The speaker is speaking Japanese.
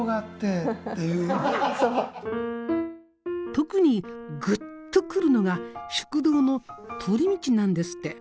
特にグッとくるのが食道の通り道なんですって。